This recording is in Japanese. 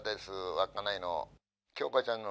稚内の。